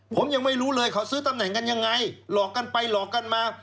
ผมยังไม่รู้เลยเขาซื้อตำแหน่งกันยังไงหลอกกันไปหลอกกันมา